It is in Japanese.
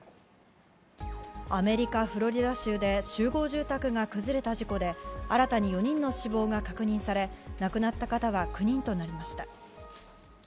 アメリカ・フロリダ州で集合住宅が崩れた事故で新たに４人の死亡が確認され亡くなった方は９人となりました。